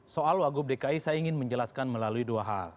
soal wagub dki saya ingin menjelaskan melalui dua hal